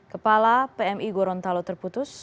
kepala pmi gorontalo terputus